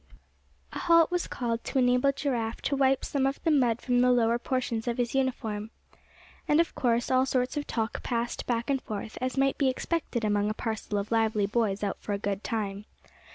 A halt was called, to enable Giraffe to wipe some of the mud from the lower portions of his uniform. And of course all sorts of talk passed back and forth, as might be expected among a parcel of lively boys out for a good time.